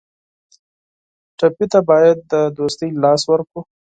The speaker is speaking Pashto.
ټپي ته باید د دوستۍ لاس ورکړو.